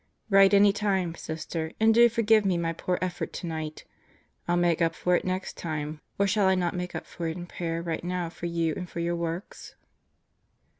Write any time, Sister, and do forgive me my poor effort tonight. Ill make up for it next time or shall I not make up for it in prayer right now for you and your works.